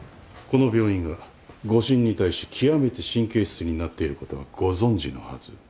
この病院が誤診に対し極めて神経質になっていることはご存じのはず。